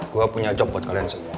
gua punya cokl buat kalian semua